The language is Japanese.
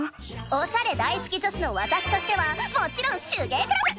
おしゃれ大好き女子のわたしとしてはもちろん手芸クラブ！